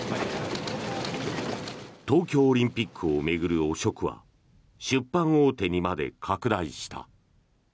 東京オリンピックを巡る汚職は出版大手にまで拡大した。